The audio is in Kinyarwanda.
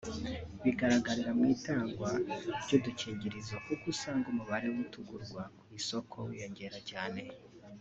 bigaragarira mu itangwa ry’udukingirizo kuko usanga umubare w’utugurwa ku isoko wiyongera cyane